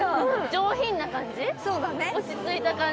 上品な感じ、落ち着いた感じ？